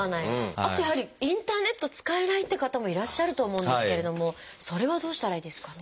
あとやはりインターネット使えないって方もいらっしゃると思うんですけれどもそれはどうしたらいいですかね？